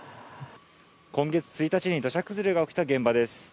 今月１日に土砂崩れが起きた現場です。